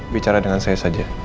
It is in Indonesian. bicara dengan saya saja